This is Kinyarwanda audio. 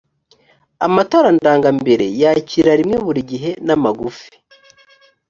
amatara ndangambere yakira rimwe buri gihe n’amagufi